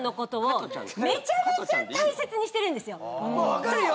分かるよ。